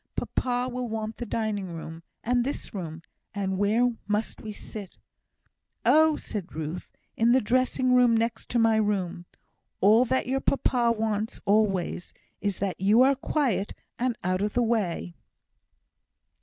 Papa will want the dining room and this room, and where must we sit?" "Oh!" said Ruth, "in the dressing room next to my room. All that your papa wants always, is that you are quiet and out of the way."